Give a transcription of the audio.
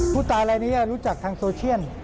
ผู้ตายรายนี้รู้จักทางโซเชียล